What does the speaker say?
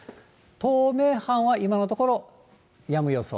東名阪は今のところ、やむ予想。